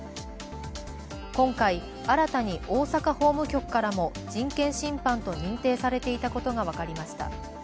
今回、新たに大阪法務局からも人権侵犯と認定されていたことが分かりました。